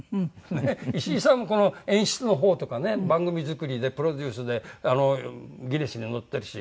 石井さんも演出の方とかね番組作りでプロデュースで『ギネス』に載ってるし。